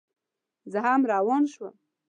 زه هم روان شوم.